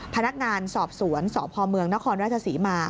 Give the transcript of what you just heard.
พนักงานสอบสวนสพเมืองนครราชศรีมา